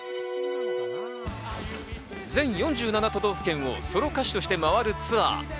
全４７都道府県をソロ歌手としてまわるツアー。